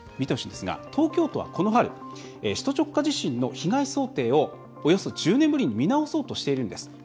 東京都はこの春首都直下地震の被害想定をおよそ１０年ぶりに見直そうとしているんです。